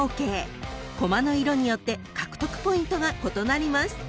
［コマの色によって獲得ポイントが異なります］